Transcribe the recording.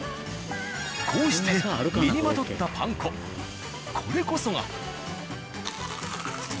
こうして身にまとったパン粉これこそが。